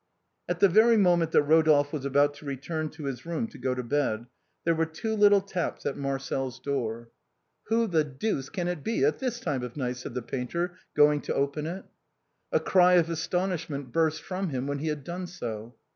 At the very moment that Rodolphe was about to return to his room to go to bed, there were two little taps at Marcel's door. EPILOGUE TO THE LOVES OF RODOLPHE AND MIMI. 323 " Who the deuce can it be tat this time of night ?" said the painter, going to open it. A cry of astonishment burst from him when he had done 80.